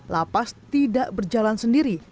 lapas tidak berjalan sendiri